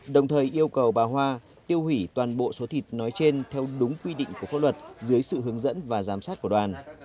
đồng thời yêu cầu bà hoa tiêu hủy toàn bộ số thịt nói trên theo đúng quy định của pháp luật dưới sự hướng dẫn và giám sát của đoàn